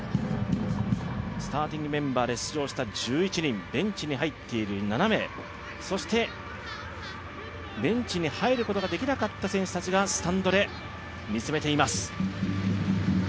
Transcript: スターティングメンバーで出場した１１人ベンチに入っている７名そして、ベンチに入ることができなかった選手たちがスタンドで見つめています。